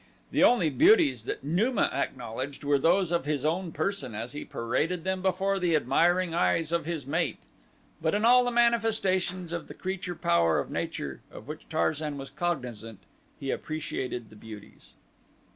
The only beauties that Numa acknowledged were those of his own person as he paraded them before the admiring eyes of his mate, but in all the manifestations of the creative power of nature of which Tarzan was cognizant he appreciated the beauties.